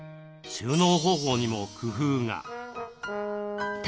収納方法にも工夫が。